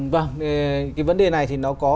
vâng cái vấn đề này thì nó có